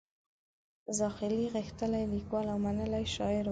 زاخیلي غښتلی لیکوال او منلی شاعر و.